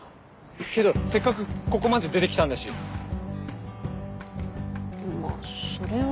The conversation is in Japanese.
けどせっかくここまで出て来たんだし。まぁそれは。